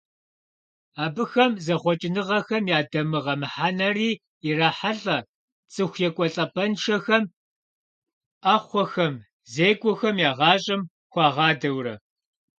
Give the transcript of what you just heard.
Абыхэм зэхъуэкӀыныгъэхэм я дамыгъэ мыхьэнэри ирахьэлӀэ, цӀыху екӀуэлӀапӀэншэхэм, Ӏэхъуэхэм, зекӀуэхэм я гъащӀэм хуагъадэурэ.